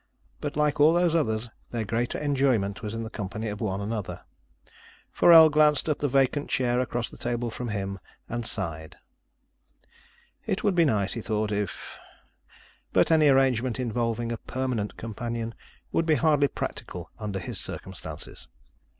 But like all those others, their greater enjoyment was in the company of one another. Forell glanced at the vacant chair across the table from him and sighed. It would be nice, he thought, if But any arrangement involving a permanent companion would be hardly practical under his circumstances.